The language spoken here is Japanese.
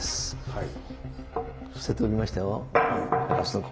はい。